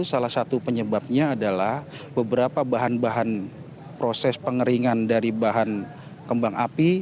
salah satu penyebabnya adalah beberapa bahan bahan proses pengeringan dari bahan kembang api